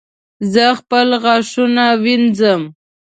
زه خپل غاښونه وینځم